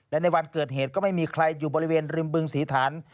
และในวันเกิดเหตุก็ไม่มีใครอยู่บริเวณริมบึงศรีฐาน